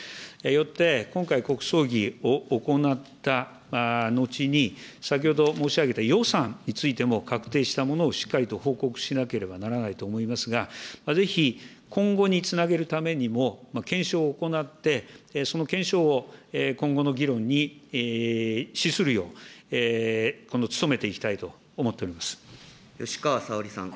よって、今回、国葬儀を行った後に、先ほど申し上げた予算についても確定したものをしっかりと報告しなければならないと思いますが、ぜひ今後につなげるためにも、検証を行って、その検証を今後の議論に資するよう、今後努めていきたいと思って吉川沙織さん。